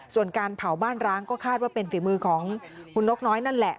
ส่วนการเผาบ้านร้างก็คาดว่าเป็นฝีมือของคุณนกน้อยนั่นแหละ